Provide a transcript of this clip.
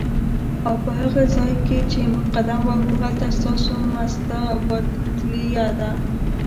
اوپه هغه ځای کی چی موږ قدم وهو هلته ستاسو مستی باطیله ده